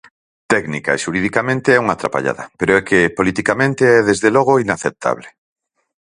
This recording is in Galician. Técnica e xuridicamente é unha trapallada, pero é que politicamente é desde logo inaceptable.